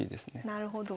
なるほど。